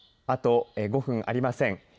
あと５分ありません。